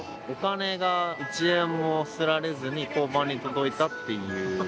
お金が１円もすられずに交番に届いたっていう。